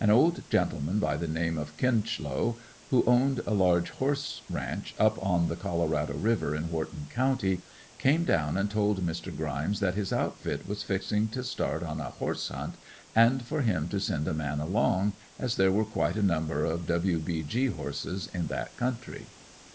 An old gentleman by the name of Kinchlow, who owned a large horse ranch up on the Colorado river in Whorton county, came down and told Mr. Grimes that his outfit was fixing to start on a horse "hunt" and for him to send a man along, as there were quite a number of "W. B. G." horses in that country.